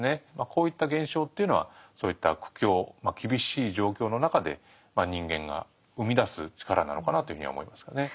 こういった現象というのはそういった苦境まあ厳しい状況の中で人間が生み出す力なのかなというふうには思いますかね。